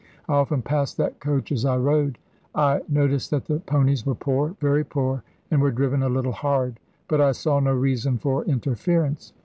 I often passed that coach as I rode. I noticed that the ponies were poor, very poor, and were driven a little hard, but I saw no reason for interference.